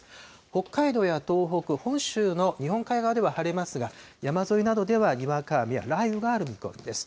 北海道や東北、本州の日本海側では晴れますが、山沿いなどではにわか雨や雷雨がある見込みです。